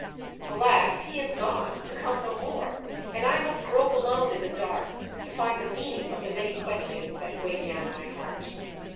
Alas! he is gone, to come no more, and I must grope alone in the dark to find the meaning of the many questions that weigh down my heart.